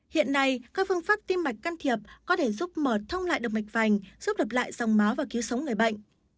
hiện nay các phương pháp tim mạch can thiệp có thể giúp mở thông lại độc mạch vành giúp lập lại dòng máu và cứu sống người bệnh